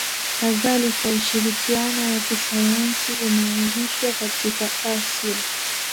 Kadhalika ushirikiano wa kisayansi umeanzishwa katika Asia